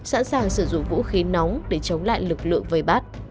sẵn sàng sử dụng vũ khí nóng để chống lại lực lượng vây bắt